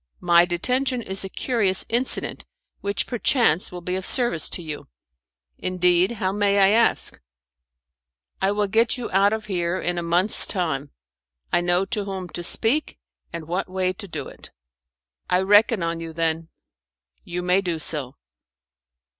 My detention is a curious incident, which, perchance, will be of service to you." "Indeed. How, may I ask?" "I will get you out of here in a month's time. I know to whom to speak and what way to do it." "I reckon on you, then." "You may do so."